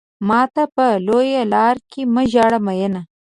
ماته په لويه لار کې مه ژاړه مينه.